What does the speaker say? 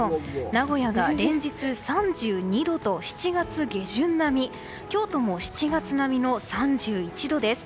名古屋が連日３２度と７月下旬並み京都も７月並みの３１度です。